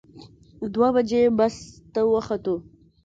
دوه بجې بس ته وختو.